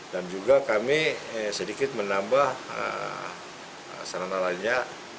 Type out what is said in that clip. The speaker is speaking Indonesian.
dan juga kami sedikit menambah sarana lainnya